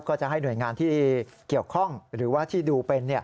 ก็จะให้หน่วยงานที่เกี่ยวข้องหรือว่าที่ดูเป็น